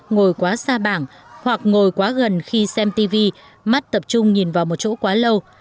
ngồi quá xa bảng hoặc ngồi quá gần khi xem tv mắt tập trung nhìn vào một chỗ quá lâu